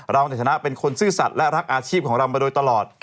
ในฐานะเป็นคนซื่อสัตว์และรักอาชีพของเรามาโดยตลอด